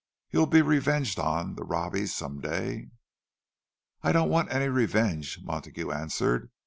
You'll be revenged on the Robbies some day." "I don't want any revenge," Montague answered.